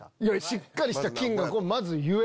しっかりした金額をまず言え！